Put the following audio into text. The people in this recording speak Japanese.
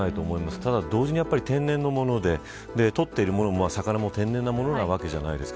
ただ同時に、天然のもので取ってる魚も天然なものなわけじゃないですか。